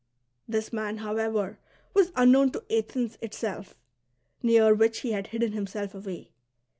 This man, however, was un known to Athens itself, near which he had hidden himself away.